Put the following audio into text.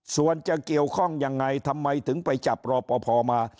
ส่วนจะเกี่ยวข้องยังไงทำไมถึงไปจับรอปภมา